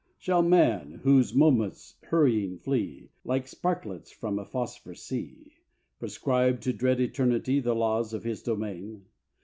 Shall man, whose moments hurrying flee, Like sparklets from a phosphor sea, Prescribe to dread Eternity The laws of His domain?